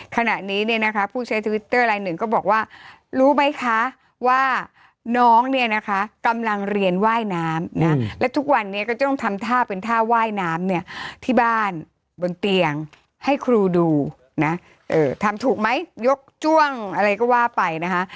ขณะนี้เนี่ยนะคะผู้ใช้ทวิตเตอร์ลายหนึ่งก็บอกว่ารู้ไหมคะว่าน้องเนี่ยนะคะกำลังเรียนว่ายน้ำนะและทุกวันนี้ก็จะต้องทำท่าเป็นท่าว่ายน้ำเนี่ยที่บ้านบนเตียงให้ครูดูนะทำถูกไหมยกจ้วงอะไรก็ว่าไปนะคะ